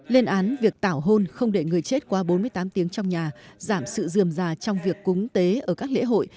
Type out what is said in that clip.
lên án việc tảo hôn không để người chết qua bốn mươi tám tiếng trong nhà giảm sự dườm già trong việc cúng tế ở các lễ hội